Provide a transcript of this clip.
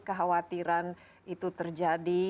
kekhawatiran itu terjadi